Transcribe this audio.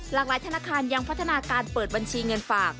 หลากหลายธนาคารยังพัฒนาการเปิดบัญชีเงินฝาก